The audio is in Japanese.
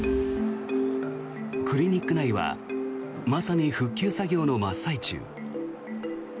クリニック内はまさに復旧作業の真っ最中。